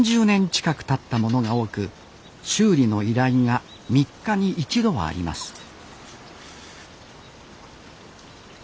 ４０年近くたったものが多く修理の依頼が３日に一度はあります